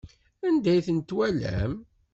Anda ay ten-twalam?